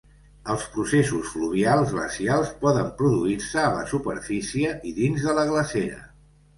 Els processos fluvial-glacials poden produir-se a la superfície i dins de la glacera.